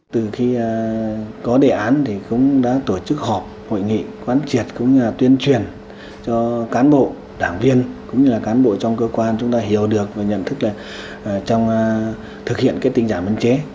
từ khi có đề án thì cũng đã tổ chức họp hội nghị quán triệt cũng như tuyên truyền cho cán bộ đảng viên cũng như là cán bộ trong cơ quan chúng ta hiểu được và nhận thức là trong thực hiện tinh giảm biên chế